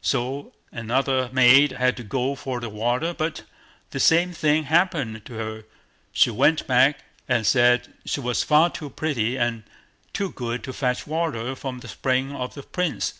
So another maid had to go for the water, but the same thing happened to her; she went back and said she was far too pretty and too good to fetch water from the spring for the Prince.